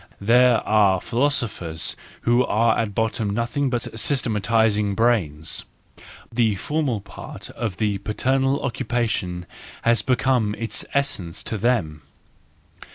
There are philosophers who are at bottom nothing but systematising brains—the formal part of the paternal occupation has become its essence to them.